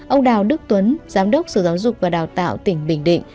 ông đào đức tuấn giám đốc sở giáo dục và đào tạo tỉnh bình định